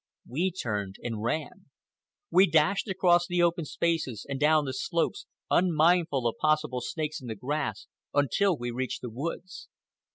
We turned and ran. We dashed across the open spaces and down the slopes unmindful of possible snakes in the grass, until we reached the woods.